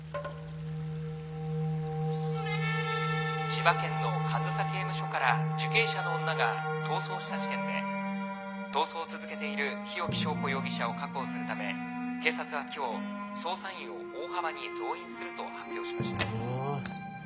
「千葉県の上総刑務所から受刑者の女が逃走した事件で逃走を続けている日置昭子容疑者を確保するため警察は今日捜査員を大幅に増員すると発表しました」。